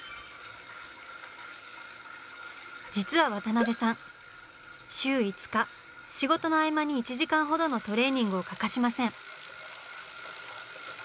実は渡辺さん週５日仕事の合間に１時間ほどのトレーニングを欠かしません。